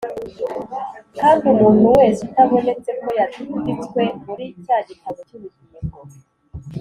Kandi umuntu wese utabonetse ko yanditswe muri cya gitabo cy’ubugingo,